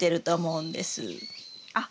あっ。